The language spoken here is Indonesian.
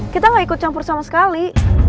kita gak ikut campur sama sekali